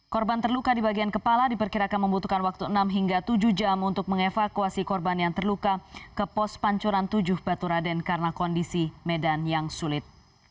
korban terluka di bagian kepala diperkirakan membutuhkan waktu enam hingga tujuh jam untuk mengevakuasi korban yang terluka ke pos pancuran tujuh baturaden karena kondisi medan yang sulit